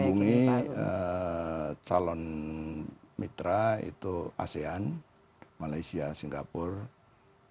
kita menghubungi calon mitra itu asean malaysia singapura